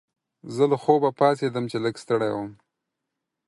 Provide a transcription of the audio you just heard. زه له خوبه پاڅیدم چې لږ ستړی وم.